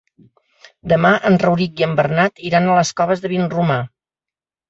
Demà en Rauric i en Bernat iran a les Coves de Vinromà.